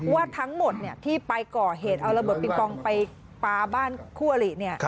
ว่าทั้งหมดที่ไปก่อเหตุเอาระเบิดปิงปองไปปลาบ้านคู่อลิ